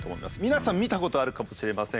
皆さん見たことあるかもしれません。